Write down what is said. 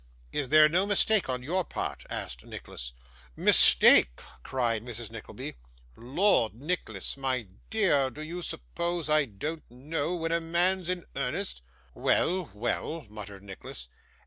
'Is there no mistake on your part?' asked Nicholas. 'Mistake!' cried Mrs. Nickleby. 'Lord, Nicholas my dear, do you suppose I don't know when a man's in earnest?' 'Well, well!' muttered Nicholas.